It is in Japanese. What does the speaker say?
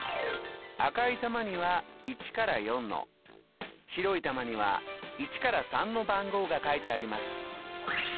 赤い玉には１から４の白い玉には１から３の番号が書いてあります。